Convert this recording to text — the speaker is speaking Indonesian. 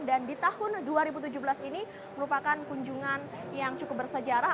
dan di tahun dua ribu tujuh belas ini merupakan kunjungan yang cukup bersejarah